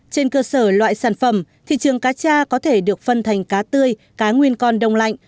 trên cơ sở loại sản phẩm thị trường cá cha có thể được phân thành cá tươi cá nguyên con đông lạnh